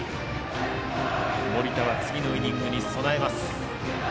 盛田は次のイニングに備えます。